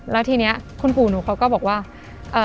แล้วทีนี้คุณปู่หนูเขาก็บอกว่า